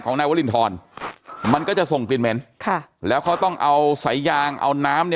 ของนายวรินทรมันก็จะส่งปิดเม้นแล้วเขาต้องเอาใส่ยางเอาน้ำ